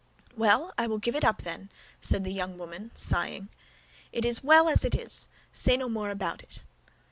"Well, I will give it up, then," said the young woman, sighing. "It is well as it is; say no more about it."